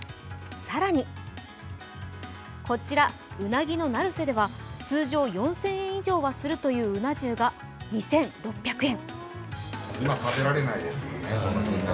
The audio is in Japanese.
さらに、こちら、鰻の成瀬では通常４０００円以上はするといううな重が２６００円。